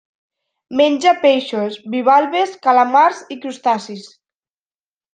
Menja peixos, bivalves, calamars i crustacis.